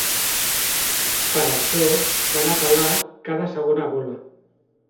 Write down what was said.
Per això, van apel·lar cada segona bola.